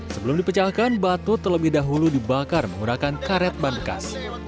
sebelum dipecahkan batu terlebih dahulu dibakar menggunakan karet bankas